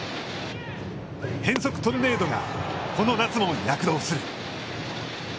変則トルネードが、この夏も躍動する。